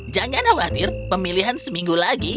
jangan khawatir pemilihan seminggu lagi